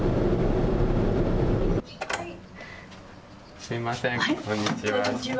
すみません、こんにちは。